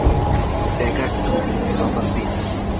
Dagger two, জবাব দিন।